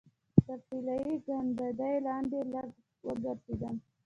تر طلایي ګنبدې لاندې لږ وګرځېدم.